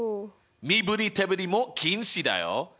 身振り手振りも禁止だよ！